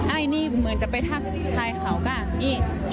อันนี้เหมือนจะไปทักทายเขาก็นี่